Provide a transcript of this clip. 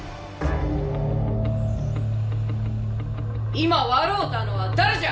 今笑うたのは誰じゃ。